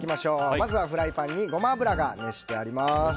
まずは、フライパンにゴマ油が熱してあります。